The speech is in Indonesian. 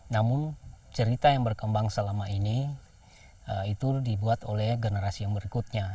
namun cerita yang berkembang selama ini itu dibuat oleh generasi yang berikutnya